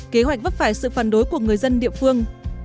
kế hoạch vấp phải sự phản đối của người dân địa phương